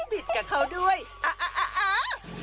บิดกันเข้าด้วยอ้าอาอาอ